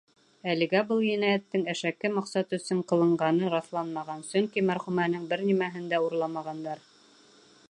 — Әлегә был енәйәттең әшәке маҡсат өсөн ҡылынғаны раҫланмаған, сөнки мәрхүмәнең бер нимәһен дә урламағандар.